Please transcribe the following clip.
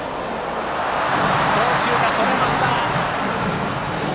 送球がそれました。